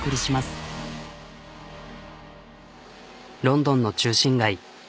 ロンドンの中心街。